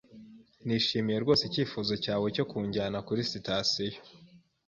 Nishimiye rwose icyifuzo cyawe cyo kunjyana kuri sitasiyo.